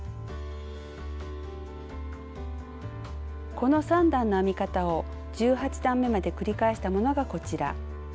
この３段の編み方を１８段めまで繰り返したものがこちら。